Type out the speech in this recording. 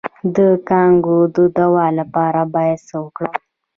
د کانګو د دوام لپاره باید څه وکړم؟